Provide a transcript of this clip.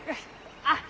あっ！